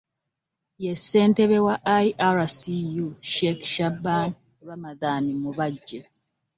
Ye ssentebe wa IRCU, Sheikh Shaban Ramadhan Mubajje